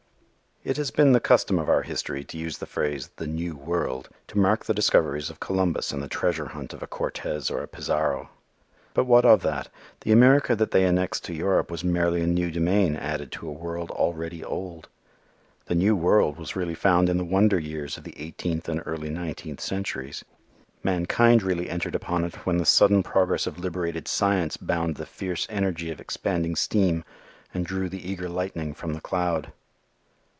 It has been the custom of our history to use the phrase the "new world" to mark the discoveries of Columbus and the treasure hunt of a Cortes or a Pizarro. But what of that? The America that they annexed to Europe was merely a new domain added to a world already old. The "new world" was really found in the wonder years of the eighteenth and early nineteenth centuries. Mankind really entered upon it when the sudden progress of liberated science bound the fierce energy of expanding stream and drew the eager lightning from the cloud.